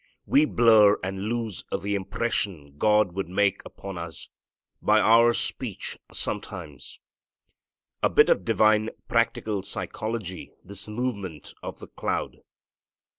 We blur and lose the impression God would make upon us, by our speech, sometimes. A bit of divine practical psychology, this movement of the cloud.